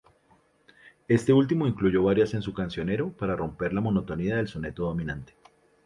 Este último incluyó varias en su "Cancionero" para romper la monotonía del soneto dominante.